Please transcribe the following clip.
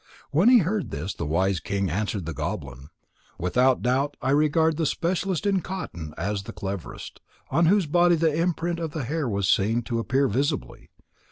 When he heard this, the wise king answered the goblin: "Without doubt I regard the specialist in cotton as the cleverest, on whose body the imprint of the hair was seen to appear visibly.